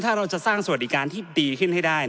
ถ้าเราจะสร้างสวัสดิการที่ดีขึ้นให้ได้